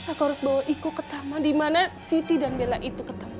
aku harus bawa iko ke taman dimana siti dan bella itu ketemu